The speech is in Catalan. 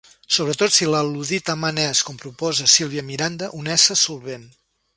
Sobretot si l'al·ludit amant és, com proposa Sílvia Miranda, un ésser "solvent".